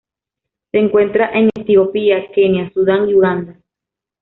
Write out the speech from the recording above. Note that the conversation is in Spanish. Se encuentra en Etiopía, Kenia, Sudán y Uganda.